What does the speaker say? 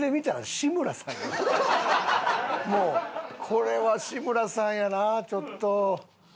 これは志村さんやなちょっと。